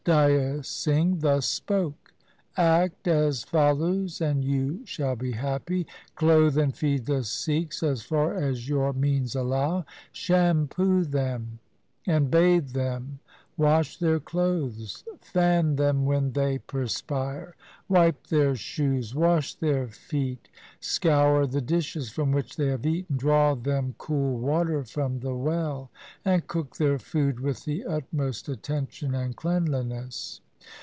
Daya Singh thus spoke, ' Act as follows and you shall be happy — Clothe and feed the Sikhs as far as your means allow, shampoo them, and bathe them, wash their clothes, fan them when they perspire, wipe their shoes, wash their feet, scour the dishes from which they have eaten, draw them cool water from the well, and cook their food with the utmost attention and cleanliness.